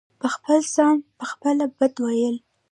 په خپل ځان په خپله بد وئيل